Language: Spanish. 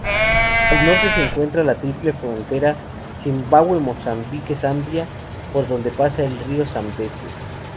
Al norte, se encuentra la triple frontera Zimbabue-Mozambique-Zambia, por donde pasa el río Zambezi.